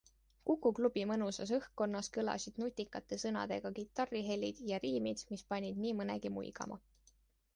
Kuku klubi mõnusas õhkkonnas kõlasid nutikate sõnadega kitarrihelid ja riimid, mis panid nii mõnegi muigama.